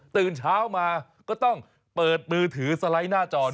ตื่นเช้ามาก็ต้องเปิดมือถือสไลด์หน้าจอ